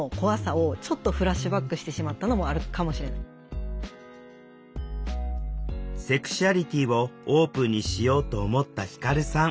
セクシュアリティーをオープンにしようと思った輝さん。